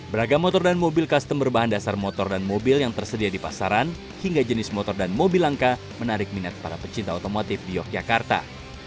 beragam motor dan mobil custom berbahan dasar motor dan mobil yang tersedia di pasaran hingga jenis motor dan mobil langka menarik minat para pecinta otomotif di yogyakarta